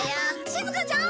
しずかちゃん！